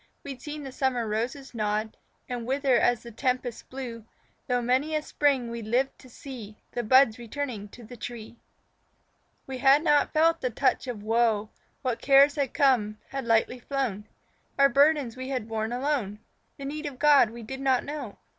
We'd seen the summer roses nod And wither as the tempests blew, Through many a spring we'd lived to see The buds returning to the tree. We had not felt the touch of woe; What cares had come, had lightly flown; Our burdens we had borne alone The need of God we did not know.